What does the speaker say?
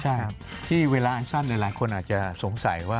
ใช่ครับที่เวลาอันสั้นหลายคนอาจจะสงสัยว่า